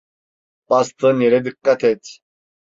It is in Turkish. Bastığın yere dikkat et.